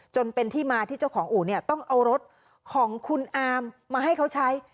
จนเป็นที่มาที่เจ้าของอู่เนี่ยต้องเอารถของคุณอามมาให้เขาใช้